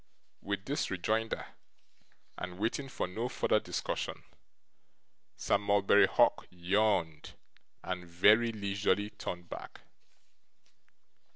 With this rejoinder, and waiting for no further discussion, Sir Mulberry Hawk yawned, and very leisurely turned back.